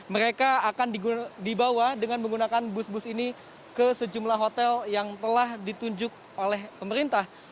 mereka akan dibawa dengan menggunakan bus bus ini ke sejumlah hotel yang telah ditunjuk oleh pemerintah